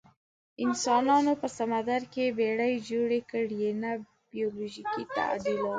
انسانانو په سمندر کې بیړۍ جوړې کړې، نه بیولوژیکي تعدیلات.